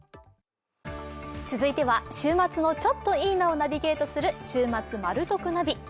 続いては、週末のちょっといいなをナビゲートする「週末マル得ナビ」。